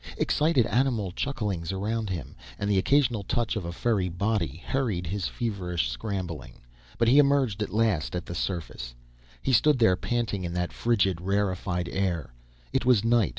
Excited animal chucklings around him, and the occasional touch of a furry body, hurried his feverish scrambling. But he emerged at last at the surface. He stood there panting in that frigid, rarefied air. It was night.